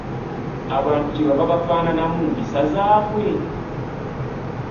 Abantu kye bava bafaanana mu mpisa zaabwe!